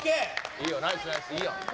いいよナイスナイスいいよ。